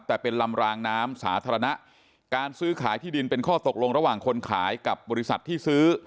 แต่เป็นลำรางน้ำสาธารณะการซื้อขายที่ดินเป็นข้อตกลงระหว่างคนขายกับบริษัทที่ซื้อ